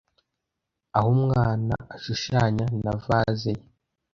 aho umwana ashushanya na vase ye